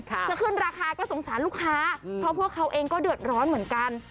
จะขึ้นราคาก็สงสารลูกค้าเพราะพวกเขาเองก็เดือดร้อนเหมือนกัน